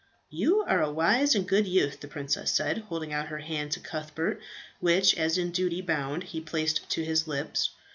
"You are a wise and good youth," the princess said, holding out her hand to Cuthbert, which, as in duty bound, he placed to his lips.